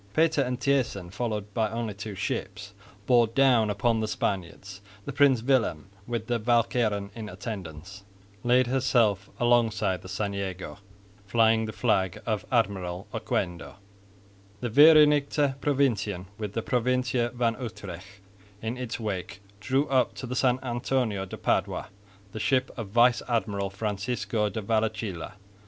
Pater and Thijssen, followed by only two ships, bore down however on the Spaniards. The Prins Willem with the Walcheren in attendance laid herself alongside the St Jago, flying the flag of Admiral Oquendo; the Vereenigte Provintien with the Provintie van Utrecht in its wake drew up to the St Antonio de Padua, the ship of Vice Admiral Francisco de Vallecilla.